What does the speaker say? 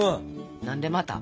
何でまた。